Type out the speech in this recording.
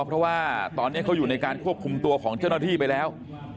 เพราะว่าตอนนี้เขาอยู่ในการควบคุมตัวของเจ้าหน้าที่ไปแล้ว